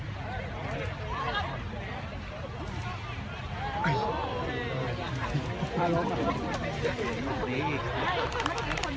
สวัสดีครับทุกคน